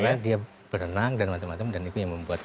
karena dia berenang dan macam macam dan itu yang membuat